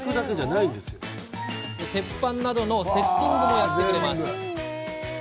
鉄板などのセッティングもやってくれます。